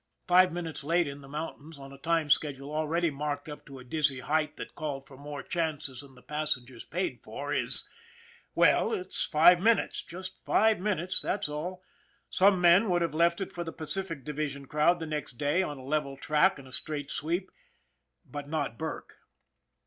Five minutes late in the moun tains on a time schedule already marked up to a dizzy height that called for more chances than the passengers paid for is well, it's five minutes, just five minutes, that's all. Some men would have left it for the Pacific Division crowd the next day on a level track and a straight sweep but not Burke.